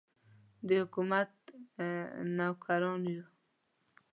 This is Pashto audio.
د حکومت نوکران یو.